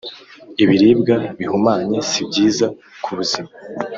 ibiribwa bihumanye si byiza ku buzima